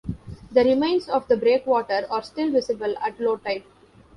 The remains of the breakwater are still visible at low tide.